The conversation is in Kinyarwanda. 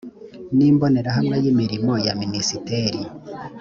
n imbonerahamwe y imirimo ya minisiteri